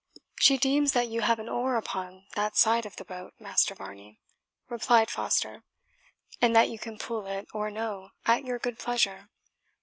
"She deems that you have an oar upon that side of the boat, Master Varney," replied Foster, "and that you can pull it or no, at your good pleasure.